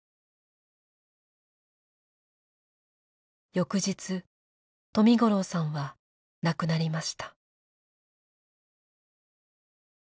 翌日冨五郎さんは亡くなりました。